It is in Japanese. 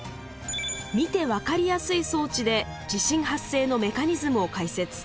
見て分かりやすい装置で地震発生のメカニズムを解説。